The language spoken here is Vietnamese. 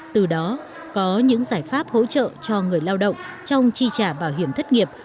từ đó có những giải pháp hỗ trợ cho người lao động trong chi trả bảo hiểm thất nghiệp